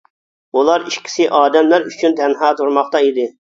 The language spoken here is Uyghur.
ئۇلار ئىككىسى ئادەملەر ئۈچۈن تەنھا تۇرماقتا ئىدى.